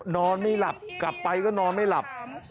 นอนไม่หลับกลับไปก็นอนไม่หลับ